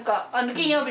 金曜日。